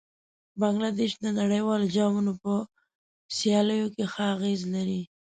بنګله دېش د نړیوالو جامونو په سیالیو کې ښه اغېز لري.